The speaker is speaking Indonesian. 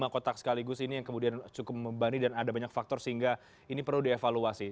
lima kotak sekaligus ini yang kemudian cukup membanding dan ada banyak faktor sehingga ini perlu dievaluasi